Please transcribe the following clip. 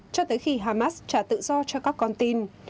cho tới khi hamas trả tự do cho các con tin